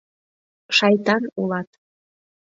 Шайтан улат!